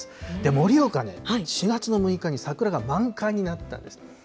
盛岡ね、４月の６日に桜が満開になったんです。